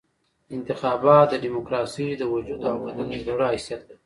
انتخابات د ډیموکراسۍ د وجود او بدن د زړه حیثیت لري.